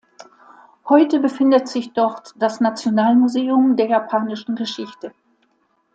Heute befindet sich dort das Nationalmuseum der japanischen Geschichte.